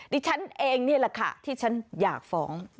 ดิฉันเองนี่แหละค่ะที่ฉันอยากฟ้อง